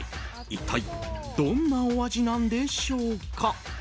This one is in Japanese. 一体どんなお味なんでしょうか。